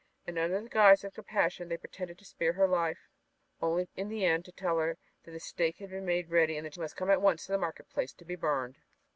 And under the guise of compassion they pretended to spare her life, only in the end to tell her that the stake had been made ready and that she must come at once to the market place to be burned.